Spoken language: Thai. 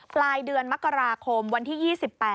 ปลายเดือนมกราคมวันที่๒๘